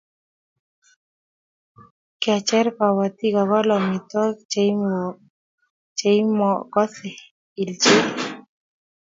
Kecher kobotik kokol amitwogik cheimokosei ilchet